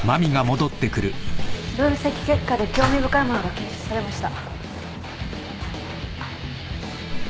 分析結果で興味深いものが検出されました。